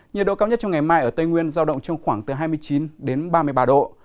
nhiệt độ cao nhất trong ngày mai ở tây nguyên giao động trong khoảng từ hai mươi chín đến ba mươi ba độ